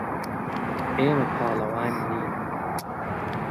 ئێمە پاڵەوان نین.